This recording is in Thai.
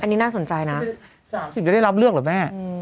อันนี้น่าสนใจนะ๓๐จะได้รับเลือกเหรอแม่